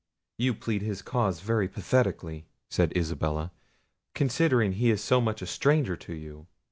"You plead his cause very pathetically," said Isabella, "considering he is so much a stranger to you!